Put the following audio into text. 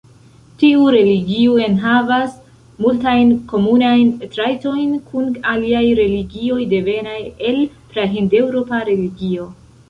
Tiu religio enhavas multajn komunajn trajtojn kun aliaj religioj devenaj el pra-hindeŭropa religio.